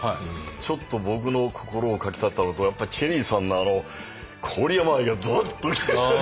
ちょっと僕の心をかきたてたのとやっぱりチェリーさんあの郡山愛がどっと。